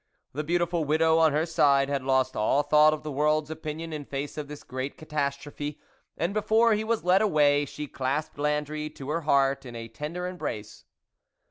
1 The beautiful widow, on her side, had lost all thought of the world's opinion in face of this great catastrophe, and before he was led away, she clasped Landry to her heart in a tender embrace.